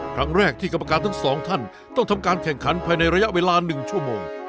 ครั้งแรกที่กรรมการทั้งสองท่านต้องทำการแข่งขันภายในระยะเวลา๑ชั่วโมง